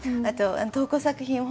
あと投稿作品